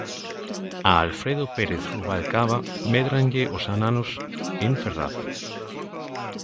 A Alfredo Pérez Rubalcaba médranlle os ananos en Ferraz.